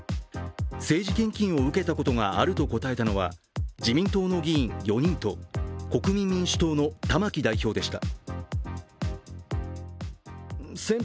政治献金を受けたことがあると答えたのは自民党の議員４人と国民民主党の玉木代表でした。